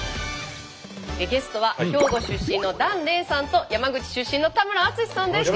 ゲストは兵庫出身の檀れいさんと山口出身の田村淳さんです。